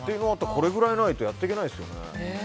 これぐらいないとやっていけないですね。